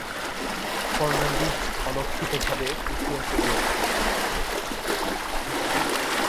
Fernandez অলক্ষিতভাবে উঠিয়া চলিয়া গেল।